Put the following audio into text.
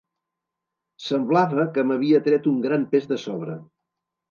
Semblava que m"havia tret un gran pes de sobre.